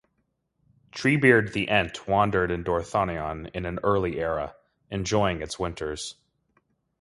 Treebeard the Ent wandered in Dorthonion in an early era, enjoying its winters.